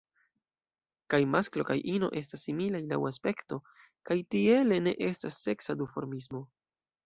Kaj masklo kaj ino estas similaj laŭ aspekto, kaj tiele ne estas seksa duformismo.